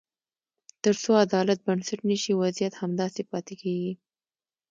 تر څو عدالت بنسټ نه شي، وضعیت همداسې پاتې کېږي.